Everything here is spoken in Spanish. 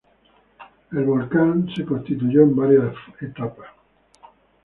El volcán fue constituido en varias fases.